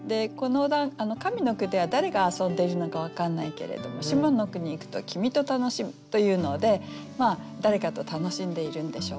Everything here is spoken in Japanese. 上の句では誰が遊んでいるのか分かんないけれども下の句にいくと「君と楽しむ」というので誰かと楽しんでいるんでしょう。